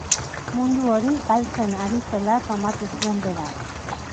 Mundu hori galtzen ari zela somatu zuen berak.